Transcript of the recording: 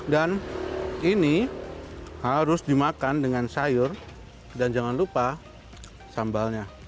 dan ini harus dimakan dengan sayur dan jangan lupa sambalnya